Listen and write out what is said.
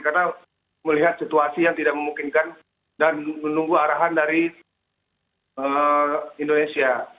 karena melihat situasi yang tidak memungkinkan dan menunggu arahan dari indonesia